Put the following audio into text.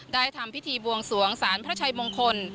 ทำพิธีบวงสวงสารพระชัยมงคล